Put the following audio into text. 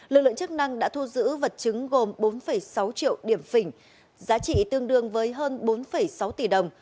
lực lượng chức năng đã thu giữ vật chứng gồm bốn sáu triệu điểm phỉnh giá trị tương đương với hơn bốn sáu tỷ đồng